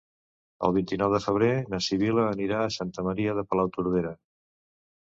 El vint-i-nou de febrer na Sibil·la anirà a Santa Maria de Palautordera.